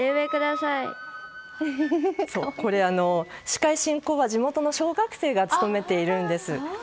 司会進行は地元の小学生が務めているんです。